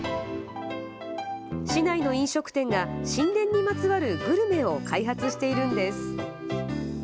市内の飲食店が神殿にまつわるグルメを開発しているんです。